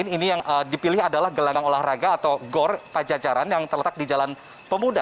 ini yang dipilih adalah gelanggang olahraga atau gor pajajaran yang terletak di jalan pemuda